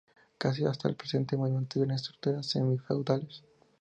Casi hasta el presente mantuvieron estructuras semi-feudales.